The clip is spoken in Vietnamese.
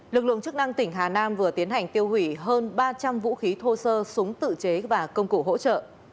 lực lượng chức năng tỉnh hà nam vừa tiến hành tiêu hủy hơn ba trăm linh vũ khí thô sơ súng tự chế và công cụ hỗ trợ